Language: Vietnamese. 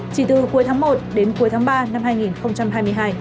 chỉ từ cuối tháng một đến cuối tháng ba năm hai nghìn hai mươi hai